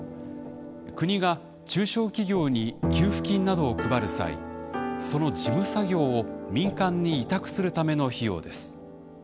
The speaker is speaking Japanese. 国が中小企業に給付金などを配る際その事務作業を民間に委託するための費用です。